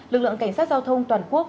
lực lượng cảnh sát giao thông toàn quốc